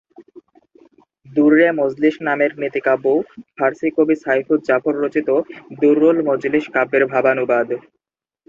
দুররে মজলিশ নামের নীতিকাব্যও ফারসি কবি সাইফুজ জাফর রচিত দুর্রুল মজলিশ কাব্যের ভাবানুবাদ।